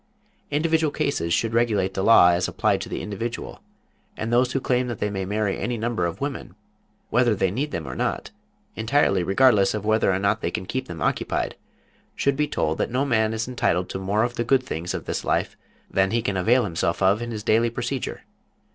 Individual cases should regulate the law as applied to the individual, and those who claim that they may marry any number of women, whether they need them or not, entirely regardless of whether or not they can keep them occupied, should be told that no man is entitled to more of the good things of this life than he can avail himself of in his daily procedure.